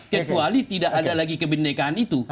kecuali tidak ada lagi kebenekaan itu